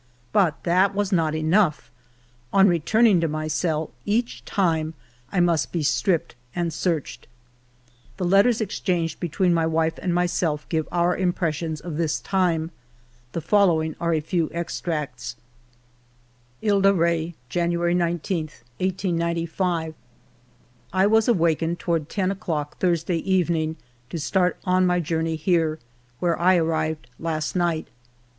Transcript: But that was not enough ! On returning to my cell, each time I must be stripped and searched [ The letters exchanged between my wife and myself give our impressions of this time. The following are a few extracts :—" Ile de Re, January 19, 1895. " I was awakened toward ten o'clock Thurs day evening to start on my journey here, where I arrived last night.